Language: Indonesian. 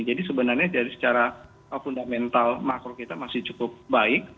jadi sebenarnya dari secara fundamental makro kita masih cukup baik